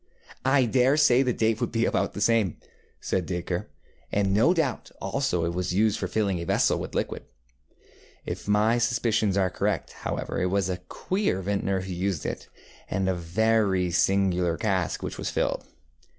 ŌĆØ ŌĆ£I dare say the date would be about the same, ŌĆØ said Dacre, ŌĆ£and no doubt, also, it was used for filling a vessel with liquid. If my suspicions are correct, however, it was a queer vintner who used it, and a very singular cask which was filled.